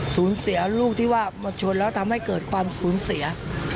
สูญเสียลูกที่ว่ามาชนแล้วทำให้เกิดความสูญเสีย